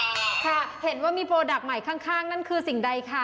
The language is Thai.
ค่ะเห็นว่ามีโปรดักต์ใหม่ข้างนั่นคือสิ่งใดค่ะ